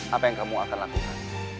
apa yang kamu akan lakukan